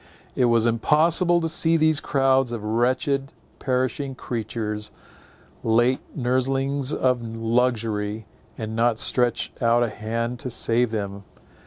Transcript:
It was impossible to see these crowds of wretched, perishing creatures, late nurslings of luxury, and not stretch out a hand to save them.